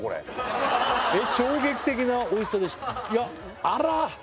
「衝撃的なおいしさでした」